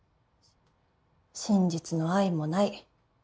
真実の愛もない。